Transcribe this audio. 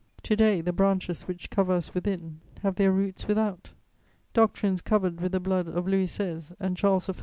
To day the branches which cover us within have their roots without. Doctrines covered with the blood of Louis XVI. and Charles I.